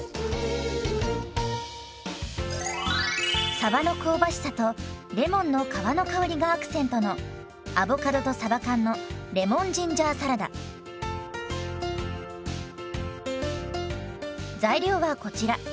さばの香ばしさとレモンの皮の香りがアクセントの材料はこちら。